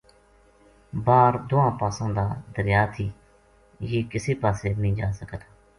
باہر دواں پاساں دا دریا تھی یہ کِسے پاسے نیہہ جا سکے تھا